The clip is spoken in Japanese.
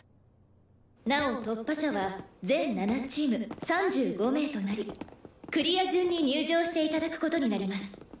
「なお突破者は全７チーム３５名となりクリア順に入場して頂く事になります」